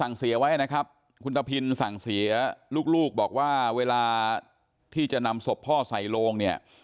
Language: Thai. เสียไว้นะครับคุณตะพินสั่งเสียลูกบอกว่าเวลาที่จะนำศพพ่อใส่โลงเนี่ย